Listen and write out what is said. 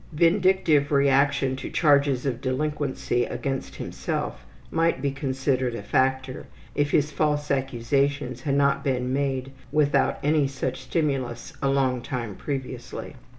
Vindictive reaction to charges of delinquency against himself might be considered a factor if his false accusations had not been made without any such stimulus a long time previously.